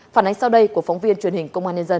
phản ánh sau đây của phóng viên truyền hình công an nhân dân